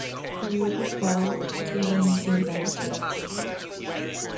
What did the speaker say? Or would you fall to your knees in gratitude?